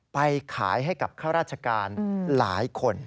ไปขายให้กับข้าราชการหลายคน